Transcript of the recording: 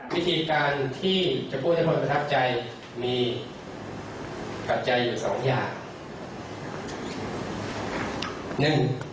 วิธีการที่จะพูดให้คนประทับใจมีปัจจัยอยู่สองอย่าง